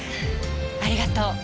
ありがとう。